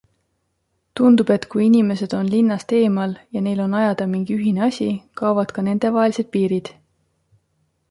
Tundub, et kui inimesed on linnast eemal ja neil on ajada mingi ühine asi, kaovad ka nendevahelised piirid.